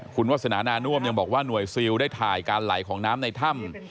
คุณวาสนานาน่วมยังบอกว่าหน่วยซิลได้ถ่ายการไหลของน้ำในถ้ำ